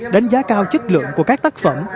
đánh giá cao chất lượng của các tác phẩm